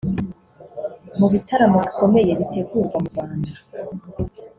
Mu bitaramo bikomeye bitegurwa mu Rwanda